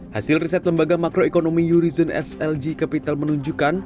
hasil riset lembaga makroekonomi eurison slg capital menunjukkan